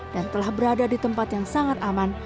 dan telah berada di tempat yang sangat aman